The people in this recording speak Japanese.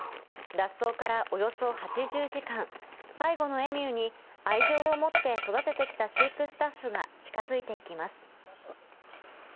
脱走からおよそ８０時間、最後のエミューに、愛情を持って育ててきた飼育スタッフが近づいていきます。